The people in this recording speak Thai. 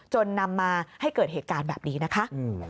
นำมาให้เกิดเหตุการณ์แบบนี้นะคะ